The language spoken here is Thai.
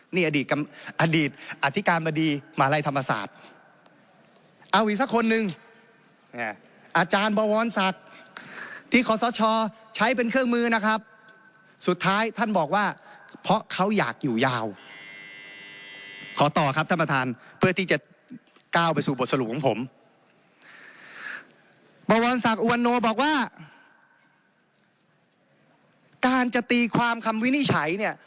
นี่อดีตอดีตอธิการบดีหมาลัยธรรมศาสตร์เอาอีกสักคนหนึ่งอาจารย์บวรศักดิ์ที่ขอสชใช้เป็นเครื่องมือนะครับสุดท้ายท่านบอกว่าเพราะเขาอยากอยู่ยาวขอต่อครับท่านประธานเพื่อที่จะก้าวไปสู่บทสรุปของผมบวรศักดิ์อุวันโนบอกว่าการจะตีความคำวินิจฉัยเนี่ย